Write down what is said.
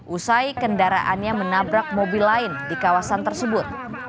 usai kendaraannya menabrak mobil lain di kawasan tersebut